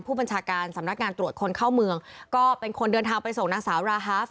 ผู้บัญชาการสำนักงานตรวจคนเข้าเมืองก็เป็นคนเดินทางไปส่งนางสาวราฮาฟ